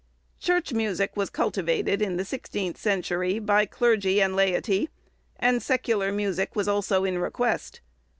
Church music was cultivated in the sixteenth century, by clergy and laity, and secular music was also in request.